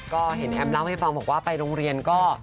ก็เห็นแอมเล่าให้ฟังบอกว่าไปโรงเรียนก็